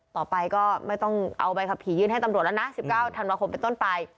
ต่อไปก็ไม่ต้องเอาใบขับขี่ยื่นให้ตำรวจแล้วนะ๑๙ธันวาคมเป็นต้นไป